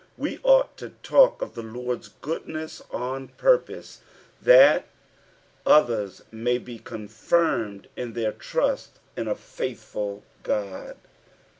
We ought to talk of the Lord's goodness on purpose that Others may be confirmed in their trust in a faithful Ood.